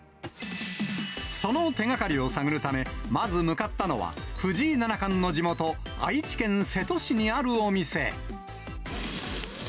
その手がかりを探るため、まず向かったのは、藤井七冠の地元、愛知県瀬戸市にあるお店。